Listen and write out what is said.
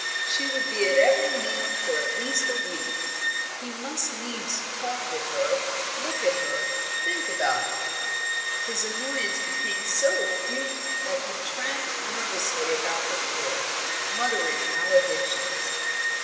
She would be at every meal for at least a week; he must needs talk with her, look at her, think about her. His annoyance became so acute that he tramped nervously about the floor, muttering maledictions.